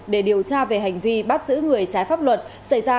để điều tra về hành vi bắt giữ người trái pháp luật xảy ra